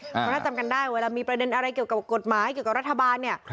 เพราะถ้าจำกันได้เวลามีประเด็นอะไรเกี่ยวกับกฎหมายเกี่ยวกับรัฐบาลเนี่ย